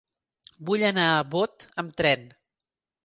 Vull anar a Bot amb tren.